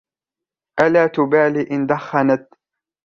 ألا تبالي إن دخنت؟